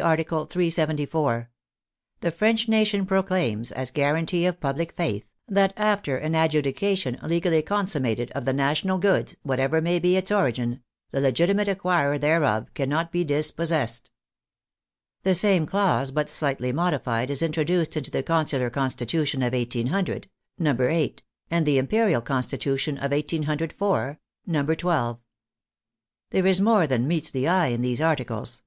Article 374 :" The French nation proclaims, as guarantee of public faith, that after an adjudication legally consum mated, of the national goods, whatever may be its origin, the legitimate acquirer thereof cannot be dispossessed." The same clause, but slightly modified, is introduced into the Consular Constitution of 1800 (VIII.), and the Im perial Constitution of 1804 (XII.). There is more than meets the eye in these articles.